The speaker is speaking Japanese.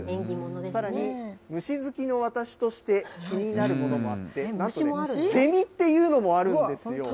さらに、虫好きの私として気になるものもあって、なんとね、セミっていうのもあるんですよ。